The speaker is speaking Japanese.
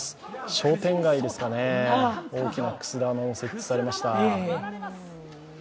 商店街ですかね、大きなくす玉も設置されました。